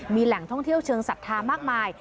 มีแหล่งท่องเที่ยวเชิงศรัทธามากมาย